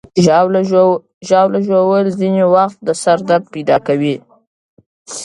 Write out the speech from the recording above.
ژاوله ژوول ځینې وخت د سر درد پیدا کوي.